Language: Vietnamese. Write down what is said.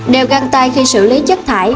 đều găng tay khi xử lý chất thải